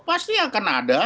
pasti akan ada